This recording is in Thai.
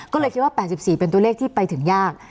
ก็เลยคิดว่า๘๔เป็นตัวเลขที่ไปถึงยาก